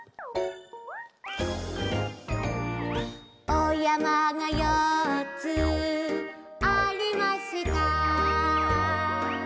「お山が４つありました」